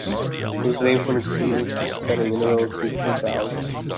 It was named from its scenic setting in the Middle Creek valley.